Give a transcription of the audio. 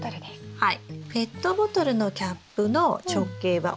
はい。